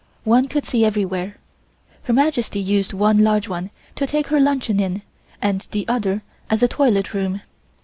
One could see everywhere. Her Majesty used one large one to take her luncheon in and the other as a toilet room.